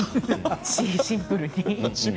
シンプルに。